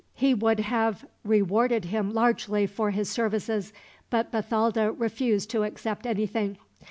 He would have rewarded him largely for his services, but Bathalda refused to accept anything.